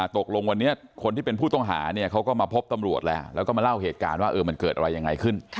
ตกลงวันนี้คนที่เป็นผู้ต้องหาเนี่ยเขาก็มาพบตำรวจแล้วแล้วก็มาเล่าเหตุการณ์ว่ามันเกิดอะไรยังไงขึ้น